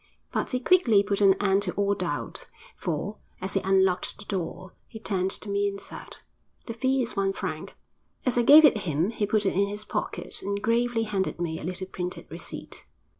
But he quickly put an end to all doubt, for, as he unlocked the door, he turned to me and said, 'The fee is one franc.' As I gave it him he put it in his pocket and gravely handed me a little printed receipt.